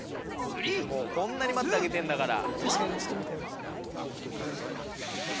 もうこんなに待ってあげてんだから。